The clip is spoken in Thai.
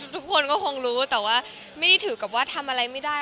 ทุกคนก็คงรู้แต่ว่าไม่ได้ถือกับว่าทำอะไรไม่ได้